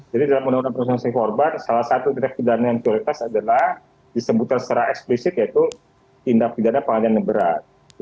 jadi dalam undang undang perlindungan sosialis forbar salah satu tindak pidana prioritas adalah disebut secara eksplisit yaitu tindak pidana penganian berat